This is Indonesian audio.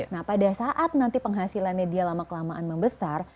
nah pada saat nanti penghasilannya dia lama kelamaan membesar